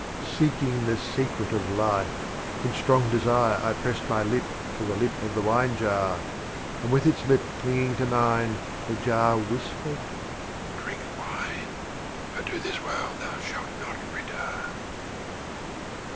XXXV. Seeking the Secret of Life, In strong desire I pressed my Lip to the Lip of the Wine Jar. With its Lip clinging to mine, the Jar whispered, " Drink Wine ! for to this World thou shalt not return."